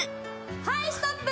はいストップ！